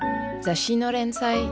雑誌の連載